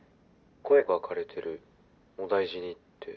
「声がかれてるお大事にって」